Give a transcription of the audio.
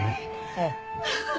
ええ。